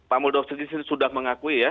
pak muldoko sudah mengakui